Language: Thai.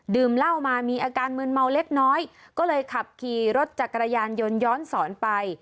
เหล้ามามีอาการมืนเมาเล็กน้อยก็เลยขับขี่รถจักรยานยนต์ย้อนสอนไป